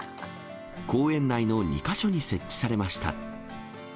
公園内の２か所に設置されました。